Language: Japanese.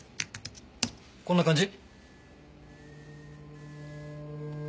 こんな感じ？